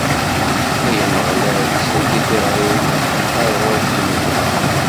Ay Ameɣlal, sel-d i tiɣri-w, ar ɣur-k i n-nedheɣ.